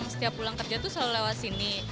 setiap pulang kerja tuh selalu lewat sini